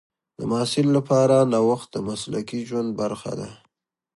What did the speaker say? د محصل لپاره نوښت د مسلکي ژوند برخه ده.